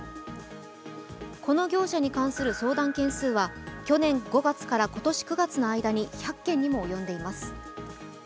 この業者に関する相談件数は去年５月から今年９月の間に１００件にも及んでいます。